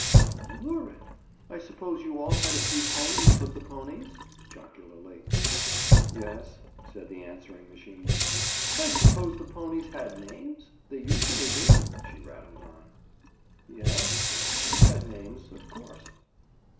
"How lurid! I suppose you all had a few ponies with the ponies?" Jocularly. "Yes," said the answering machine. "I suppose the ponies had names? They usually do," she rattled on. "Yes. They had names, of course."